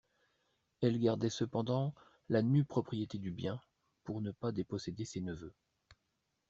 Elle gardait cependant la nue propriété du bien, pour ne pas déposséder ses neveux.